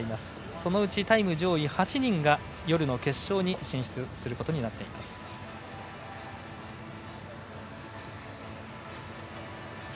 そのうちタイム上位８人が夜の決勝に進出することになっています。